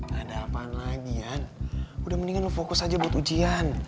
gak ada apaan lagi ya udah mendingan fokus aja buat ujian